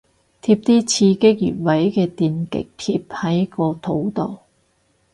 貼啲刺激穴位嘅電極貼喺個肚度